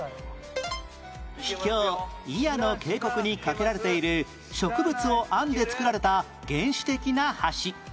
秘境祖谷の渓谷に架けられている植物を編んで作られた原始的な橋